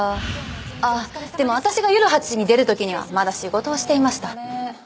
あっでも私が夜８時に出る時にはまだ仕事をしていました。